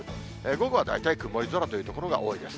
午後は大体曇り空という所が多いです。